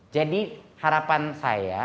jadi harapan saya